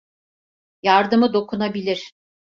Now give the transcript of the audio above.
Yardımı dokunabilir.